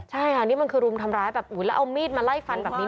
ใช่ค่ะนี่มันคือรุมทำร้ายแบบแล้วเอามีดมาไล่ฟันแบบนี้